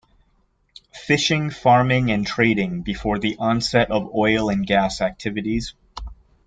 Fishing, Farming and Trading before the onset of Oil and gas activities.